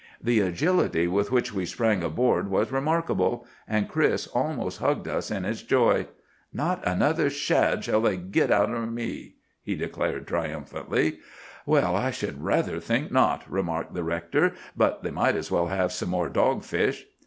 "The agility with which we sprang aboard was remarkable, and Chris almost hugged us in his joy. "'Not another shad'll they git out er me!' he declared triumphantly. "'Well, I should rather think not," remarked the rector. 'But they might as well have some more dogfish.